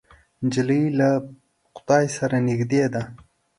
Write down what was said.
نجلۍ له خدای سره نږدې ده.